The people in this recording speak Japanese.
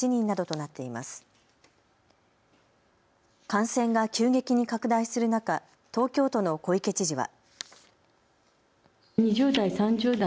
感染が急激に拡大する中、東京都の小池知事は。